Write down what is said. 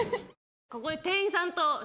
ここで。